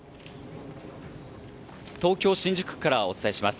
東京・新宿区からお伝えします。